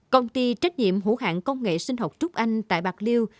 công ty trách nhiệm hữu hạng công nghệ sinh học trúc anh tại bạc liêu